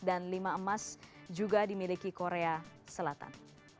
dan lima emas juga dimiliki korea selatan